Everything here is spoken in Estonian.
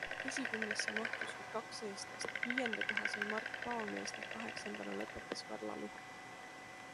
Esikümnesse mahtus veel kaks eestlast - viienda koha sai Mark Paomees ning kaheksandana lõpetas Karla Luhar.